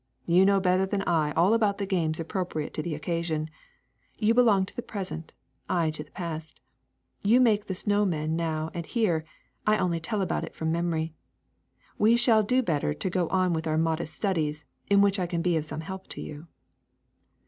You know better than I all about the games appropriate to the occasion. You belong to the present, I to the past ; you make the snow man now and here; I only tell about it from memory. We shall do better to go on with our modest studies, in which I can be of some help to you.